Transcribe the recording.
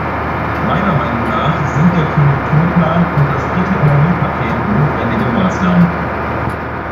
Meiner Meinung nach sind der Konjunkturplan und das Dritte Energiepaket notwendige Maßnahmen.